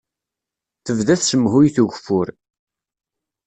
Tebda tsemhuyt ugeffur.